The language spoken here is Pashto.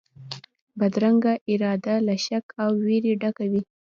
بدرنګه اراده له شک او وېري ډکه وي